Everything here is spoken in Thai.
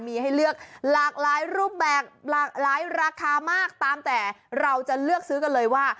มีให้เลือกหลากหลายรูปแบบหลากหลายราคามากตามแต่เราจะเลือกซื้อกันเลยว่า